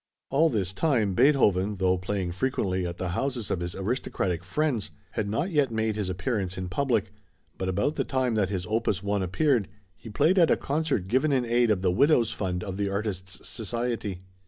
All this time, Beethoven, though playing frequently at the houses of his aristocratic friends, had not yet made his appearance in public, but about the time that his opus 1 appeared, he played at a concert given in aid of the Widow's Fund of the Artists' Society.